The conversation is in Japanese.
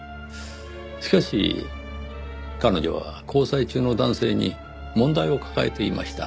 しかし彼女は交際中の男性に問題を抱えていました。